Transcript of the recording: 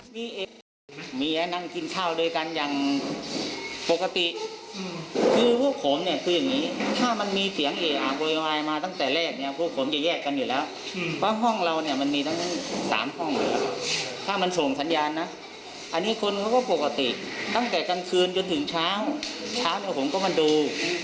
ก็ต้องช้าวเดี๋ยวผมก็มาดู